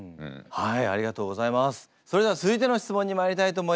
はい。